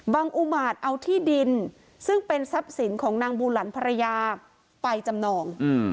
อุมาตย์เอาที่ดินซึ่งเป็นทรัพย์สินของนางบูหลันภรรยาไปจำนอง